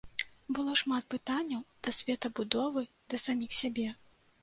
Было шмат пытанняў да светабудовы, да саміх сябе.